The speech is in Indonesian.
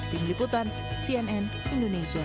tim liputan cnn indonesia